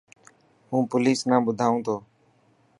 هون پوليس نا ٻڌائون تو.